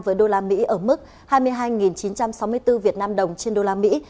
với đô la mỹ ở mức hai mươi hai chín trăm sáu mươi bốn vnđ trên đô la mỹ